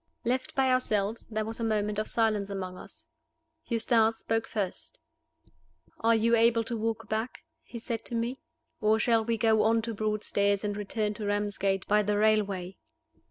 LEFT by ourselves, there was a moment of silence among us. Eustace spoke first. "Are you able to walk back?" he said to me. "Or shall we go on to Broadstairs, and return to Ramsgate by the railway?"